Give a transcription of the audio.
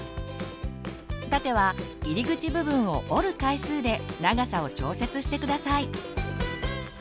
縦は入り口部分を折る回数で長さを調節して下さい。